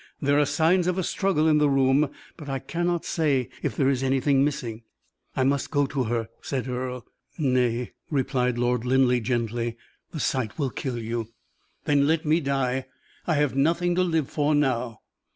There are signs of a struggle in the room, but I cannot say if there is anything missing." "I must go to her," said Earle. "Nay," replied Lord Linleigh, gently; "the sight will kill you." "Then let me die I have nothing to live for now!